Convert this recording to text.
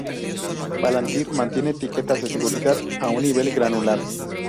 Palantir mantiene etiquetas de seguridad a un nivel granular.